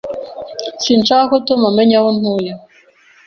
Sinshaka ko Tom amenya aho ntuye.